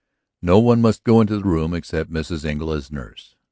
No one must go into the room except Mrs. Engle as nurse.